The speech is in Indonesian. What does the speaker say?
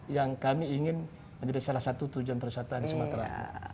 yang kami ingin menjadi salah satu tujuan perusahaan di sumatera